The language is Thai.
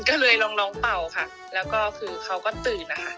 ก็เลยลองเป่าค่ะแล้วก็คือเขาก็ตื่นนะคะ